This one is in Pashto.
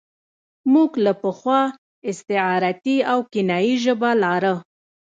موږ له پخوا استعارتي او کنايي ژبه لاره.